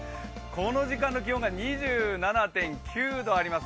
この時間の気温が２７．９度あります。